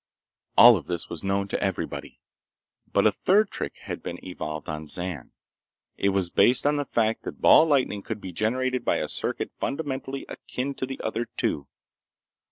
All this was known to everybody. But a third trick had been evolved on Zan. It was based on the fact that ball lightning could be generated by a circuit fundamentally akin to the other two.